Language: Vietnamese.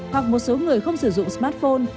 hoặc một số người không sử dụng smartphone